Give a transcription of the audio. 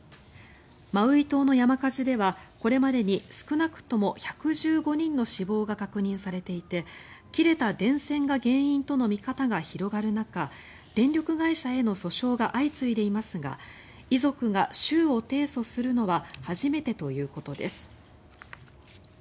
マウイ島の山火事ではこれまでに少なくとも１１５人の死亡が確認されていて切れた電線が原因との見方が広がる中電力会社への訴訟が相次いでいますが遺族が州を提訴するのは初めてということです。